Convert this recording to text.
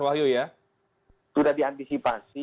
wahyu ya sudah diantisipasi